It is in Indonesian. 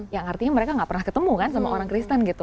yang artinya mereka gak pernah ketemu kan sama orang kristen gitu